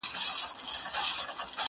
پر اوږو د اوښكو ووته له ښاره٫